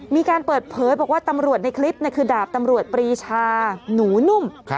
มีการเปิดเผยบอกว่าตำรวจในคลิปคือดาบตำรวจปรีชาหนูนุ่ม